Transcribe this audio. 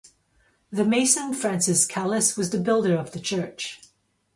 The mason Francis Callus was the builder of the church.